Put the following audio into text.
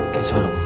kayak suara mbak